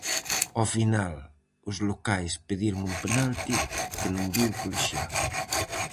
Ao final, os locais pediron un penalti que non viu o colexiado.